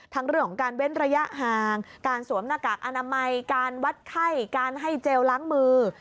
เรื่องของการเว้นระยะห่างการสวมหน้ากากอนามัยการวัดไข้การให้เจลล้างมือ